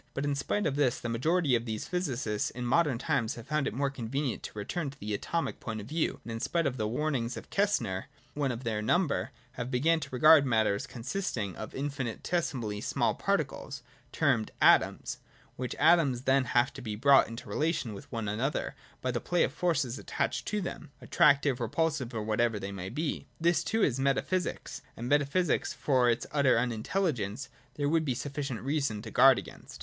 But in spite of this, the majority of these physicists in modern times have found it more convenient to return to the Atomic point of view, and in spite of the warnings of Kastner, one of their number, have begun to regard Matter as con sisting of infinitesimally small particles, termed ' atoms '— which atoms have then to be brought into relation with one another by the play of forces attaching to them, — attractive, repulsive, or whatever they may be. This too is meta physics ; and metaphysics which, for its utter unintelligence, there would be sufficient reason to guard against.